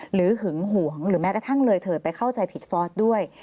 หึงหวงหรือแม้กระทั่งเลยเถิดไปเข้าใจผิดฟอร์สด้วย